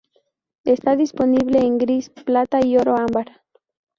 Está disponible en gris, plata y oro ámbar.